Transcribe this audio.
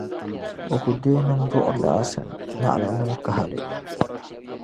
o ku deei nim’ duɣirili a sani, naɣila nim’ kahili.